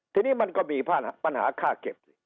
ทีนี้มันก็มีปัญหาค่าเก็บสิ